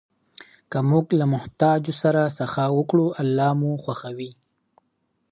که موږ له محتاجو سره سخا وکړو، الله مو خوښوي.